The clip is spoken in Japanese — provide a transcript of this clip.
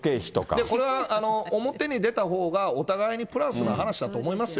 それは表に出たほうがお互いにプラスの話だと思いますよ。